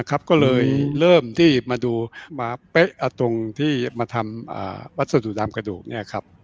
ก็ก็เลยเริ่มมาง่ายมาดูพันธุ์ที่ทำตัวเขา